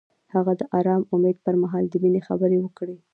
هغه د آرام امید پر مهال د مینې خبرې وکړې.